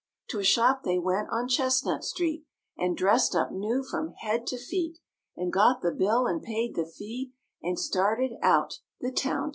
To a shop they went on Chestnut Street And dressed up new from head to feet And got the bill and paid the fee And started out the town to see.